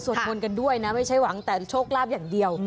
มนต์กันด้วยนะไม่ใช่หวังแต่โชคลาภอย่างเดียว